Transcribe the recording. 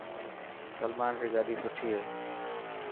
سلمان ري گاڏي سٺي هي.